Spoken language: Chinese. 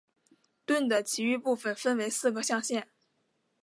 盾的其余部分分为四个象限。